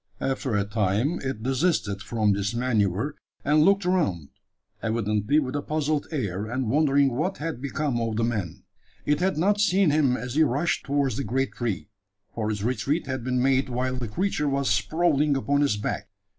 After a time it desisted from this manoeuvre, and looked around evidently with a puzzled air, and wondering what had become of the man. It had not seen him as he rushed towards the great tree: for his retreat had been made while the creature was sprawling upon its back.